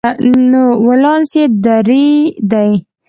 نو ولانس یې درې دی.